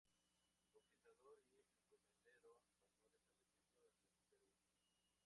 Conquistador y encomendero español establecido en el Perú.